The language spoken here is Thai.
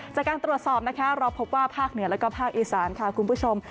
จากการตรวจสอบนะคะเราพบว่าภาคเหนือแล้วก็ภาคอีสานค่ะคุณผู้ชม